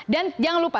dan jangan lupa